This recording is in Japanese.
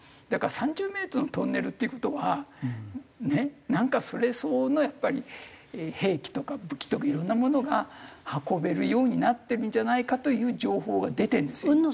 だから３０メートルのトンネルっていう事はねなんかそれ相応のやっぱり兵器とか武器とかいろんなものが運べるようになってるんじゃないかという情報が出てるんですよ。